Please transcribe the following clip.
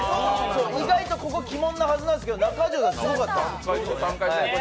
意外とここ鬼門のはずなんですけど、中条さん、すごかった。